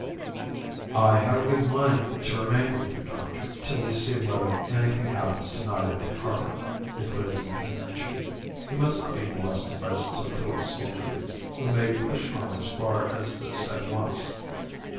"I have a good mind to remain with you, doctor, till we see whether anything happens to night at the harbour," declared the engineer in chief. "He must not be molested by Sotillo's soldiery, who may push on as far as this at once.